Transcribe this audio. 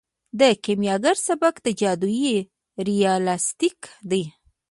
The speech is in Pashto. د کیمیاګر سبک جادويي ریالستیک دی.